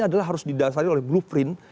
adalah harus didasari oleh blueprint